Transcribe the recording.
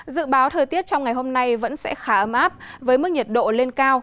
dự báo thời tiết trong ngày hôm nay vẫn sẽ khá ấm áp với mức nhiệt độ lên cao